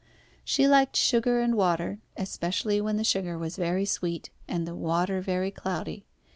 She liked sugar and water, especially when the sugar was very sweet, and the water very cloudy.